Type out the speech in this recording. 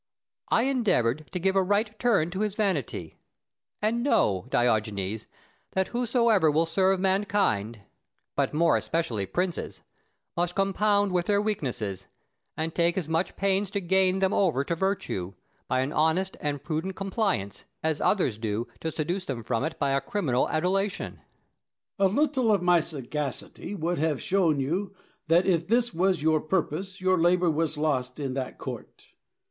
I endeavoured to give a right turn to his vanity; and know, Diogenes, that whosoever will serve mankind, but more especially princes, must compound with their weaknesses, and take as much pains to gain them over to virtue, by an honest and prudent complaisance, as others do to seduce them from it by a criminal adulation. Diogenes. A little of my sagacity would have shown you that if this was your purpose your labour was lost in that court.